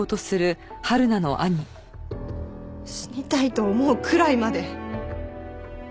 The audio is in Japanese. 死にたいと思うくらいまで！